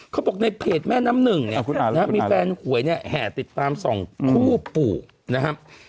เขาบอกในเพจแม่น้ำหนึ่งมีแฟนหวยแห่ติดตาม๒คู่ปู่นะครับ